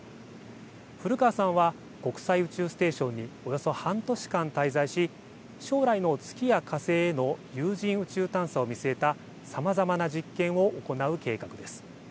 古川さんは国際宇宙ステーションにおよそ半年間滞在し将来の月や火星への有人宇宙探査を見据えたさまざまな実験を行う計画です。